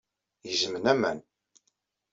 Gezmen aman.